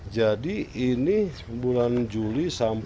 jadi ini bulan juli sampai september